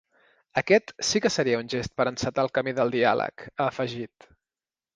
Aquest sí que seria un gest per encetar el camí del diàleg, ha afegit.